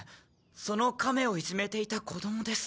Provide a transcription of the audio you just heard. その亀をいじめていた子供です。